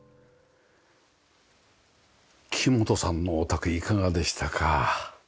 木元さんのお宅いかがでしたか？